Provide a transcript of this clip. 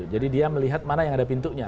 jadi dia melihat mana yang ada pintunya